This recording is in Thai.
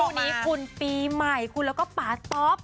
คู่นี้คุณปีใหม่คู่แล้วก็ป๊าต๊อบ